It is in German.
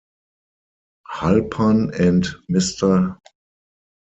Halpern and Mr.